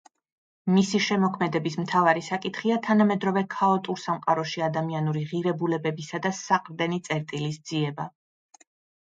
მისი შემოქმედების მთავარი საკითხია თანამედროვე ქაოტურ სამყაროში ადამიანური ღირებულებებისა და საყრდენი წერტილის ძიება.